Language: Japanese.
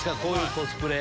コスプレ。